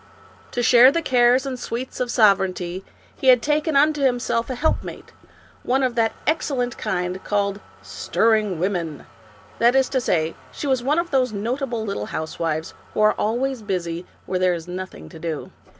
To share the cares and sweets of sovereignty he had taken unto himself a helpmate, one of that excellent kind called " stirring women "; that is to say, she was one of those nota ble little housewives who are always busy where there is nothing to do.